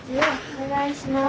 お願いします。